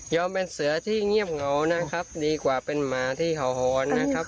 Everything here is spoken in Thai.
เป็นเสือที่เงียบเหงานะครับดีกว่าเป็นหมาที่เห่าหอนนะครับ